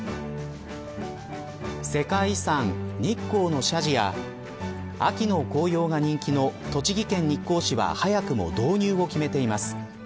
世界遺産、日光の社寺や秋の紅葉が人気の栃木県日光市は早くも導入を決めています。